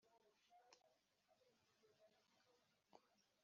Ibi bikorwa ni iby’ iyi sosiyete cyangwa iby isosiyete iyishamikiyeho